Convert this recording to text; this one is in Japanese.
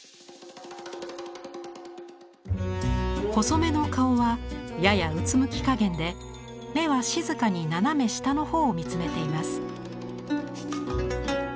細めの顔はややうつむきかげんで目は静かに斜め下の方を見つめています。